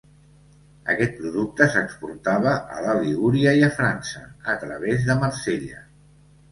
Aquest producte s'exportava a la Ligúria i a França, a través de Marsella.